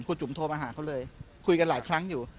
จุ๋มโทรมาหาเขาเลยคุยกันหลายครั้งอยู่